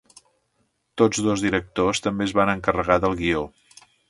Tots dos directors també es van encarregar del guió.